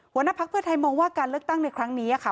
หัวหน้าพักเพื่อไทยมองว่าการเลือกตั้งในครั้งนี้ค่ะ